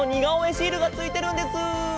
シールがついてるんです。